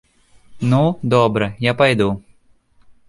Ну, добра, я пайду.